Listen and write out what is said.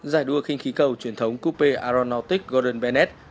giải đua khinh khí cầu truyền thống coupe aeronautic gordon bennett